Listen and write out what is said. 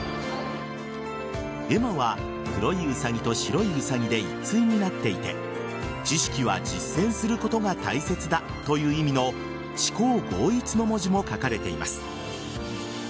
絵馬は黒いウサギと白いウサギで一対になっていて知識は実践することが大切だという意味の知行合一の文字も書かれています。